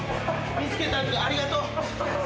見つけたありがとう。